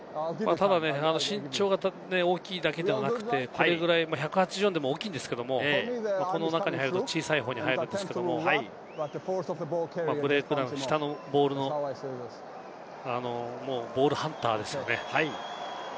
身長が大きいだけではなく、１８４で大きいんですけど、この中に入ると小さい方に入るんですけれども、ブレイクダウン下のボール、ボールハンターですよね。